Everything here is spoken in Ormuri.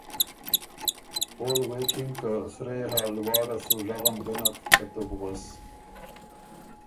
اول غوېکِن که ”سرۀ يې هۀ لواړه سُو ژغم ګۀ نک که تُو بو غؤس“